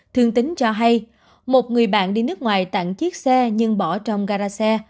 thương tín cho hay một người bạn đi nước ngoài tặng chiếc xe nhưng bỏ trong gara xe